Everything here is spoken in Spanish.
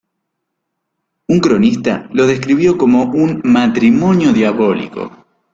Un cronista lo describió como un "matrimonio diabólico".